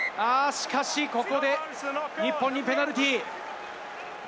しかし、ここで日本にペナルティー。